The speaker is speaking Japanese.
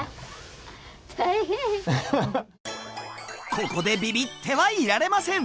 ここでビビってはいられません！